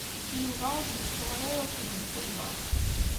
Yuba ur d-yettuɣal ara uqbel Tubeṛ.